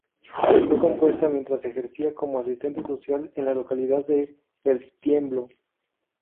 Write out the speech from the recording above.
Fue compuesta mientras ejercía como asistente social en la localidad de El Tiemblo.